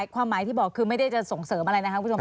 ความหมายที่บอกคือไม่ได้จะส่งเสริมอะไรนะครับคุณผู้ชม